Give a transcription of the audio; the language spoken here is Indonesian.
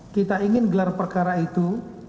kita ingin gelar perkara itu